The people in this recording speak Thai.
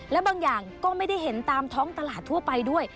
และบางอย่างก็ไม่ได้เห็นตามท้องตลาดทั่วไปด้วย